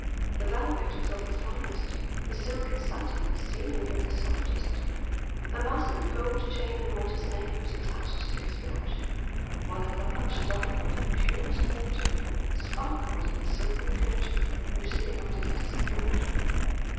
The velvet was of the finest; the silk and satin seemingly of the softest; a massive gold chain around his neck was attached to his watch, while a large diamond of purest water sparkled in the silken kerchief loosely knotted at his throat.